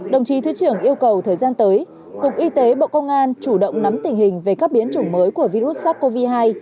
đồng chí thứ trưởng yêu cầu thời gian tới cục y tế bộ công an chủ động nắm tình hình về các biến chủng mới của virus sars cov hai